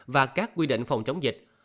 và các quy định phòng chống dịch